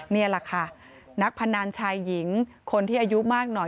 นี่แหละค่ะนักพนันชายหญิงคนที่อายุมากหน่อย